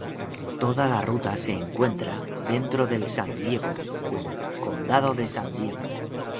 Toda la ruta se encuentra dentro del San Diego, condado de San Diego.